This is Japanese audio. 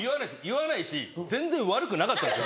言わないし全然悪くなかったです。